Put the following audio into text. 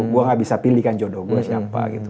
gue gak bisa pilih kan jodoh gue siapa gitu